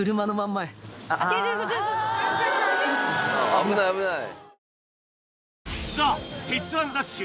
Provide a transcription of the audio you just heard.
危ない危ない。